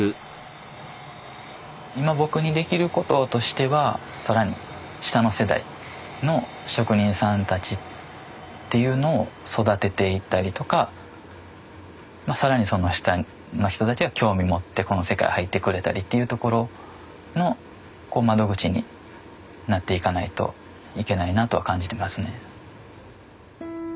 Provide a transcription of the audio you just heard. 今僕にできることとしては更に下の世代の職人さんたちっていうのを育てていったりとか更にその下の人たちが興味持ってこの世界入ってくれたりっていうところの窓口になっていかないといけないなとは感じてますね。